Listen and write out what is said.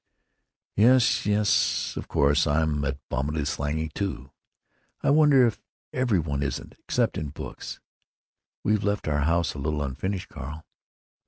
"Yes. Yes. Of course I'm abominably slangy, too. I wonder if every one isn't, except in books.... We've left our house a little unfinished, Carl."